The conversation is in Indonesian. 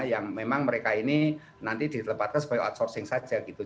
yang memang mereka ini nanti ditempatkan sebagai outsourcing saja gitu